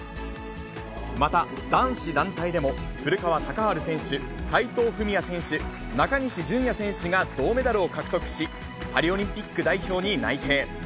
また、男子団体でも古川高晴選手、斉藤史弥選手、中西絢哉選手が銅メダルを獲得し、パリオリンピック代表に内定。